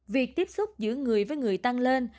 việc tiếp xúc giữa người với người tăng lên